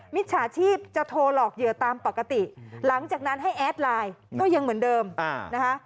มิจฉาชีพจะโทรหลอกเหยื่อตามปกติหลังจากนั้นให้แอดไลน์ก็ยังเหมือนเดิมนะคะ